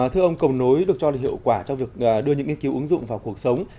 thưa ông cầu nối được cho là hiệu quả trong việc đưa những nghiên cứu ứng dụng vào cuộc sống